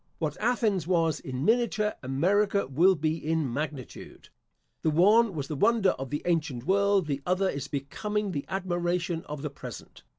What Athens was in miniature America will be in magnitude. The one was the wonder of the ancient world; the other is becoming the admiration of the present.